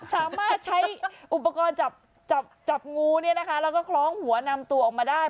สามารถใช้อุปกรณ์จับจับงูแล้วก็คล้องหัวนำตัวออกมาได้